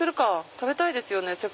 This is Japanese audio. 食べたいですよね。